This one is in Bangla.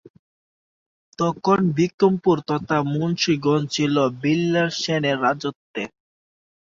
তখন বিক্রমপুর তথা মুন্সীগঞ্জ ছিল বল্লাল সেনের রাজত্বে।